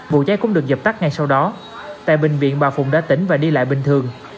vụ cháy cũng được dập tắt ngay sau đó tại bệnh viện bà phụng đã tỉnh và đi lại bình thường